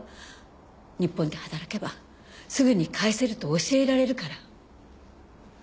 日本で働けばすぐに返せると教えられるから。